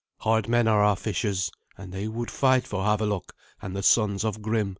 Hard men are our fishers, and they would fight for Havelok and the sons of Grim."